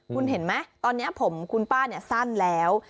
คุณเห็นไหมตอนนี้ผมคุณป้าเนี่ยสั้นแล้ว